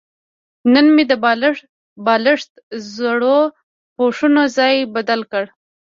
نن مې د بالښت زړو پوښونو ځای بدل کړ.